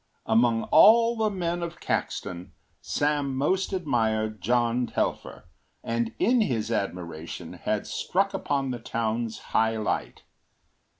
Among all the men of Caxton, Sam most admired John Telfer and in his admiration had struck upon the town’s high light.